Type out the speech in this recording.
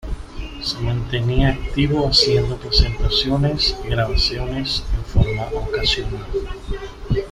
Se mantenía activo haciendo presentaciones y grabaciones en forma ocasional.